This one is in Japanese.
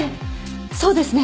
そうですね。